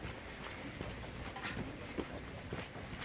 ขอบคุณครับ